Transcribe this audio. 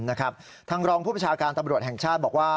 ทางรองผู้ประชาการตำรวจแห่งชาติบอกว่า